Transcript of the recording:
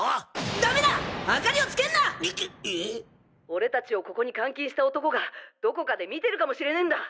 俺達をここに監禁した男がどこかで見てるかもしれねぇんだ。